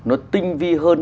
nó tinh vi hơn